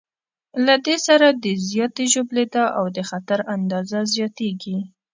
له دې سره د زیاتې ژوبلېدا او د خطر اندازه زیاتېږي.